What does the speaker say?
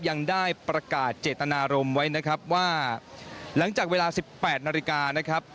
ยังได้ประกาศเจตนารมณ์ไว้นะครับว่าหลังจากเวลา๑๘นาฬิกานะครับ